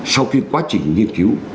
sau khi quá trình nghiên cứu